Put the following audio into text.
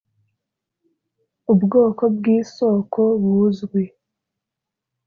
ubwoko bw isoko buzwi